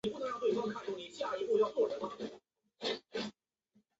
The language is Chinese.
其表弟战玉飞也曾经效力过三商虎队及兴农牛队。